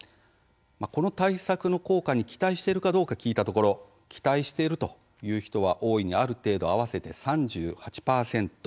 この対策の効果に期待しているかどうか聞いたところ「期待している」という人は「大いに」「ある程度」合わせて３８％。